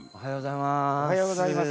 おはようございます。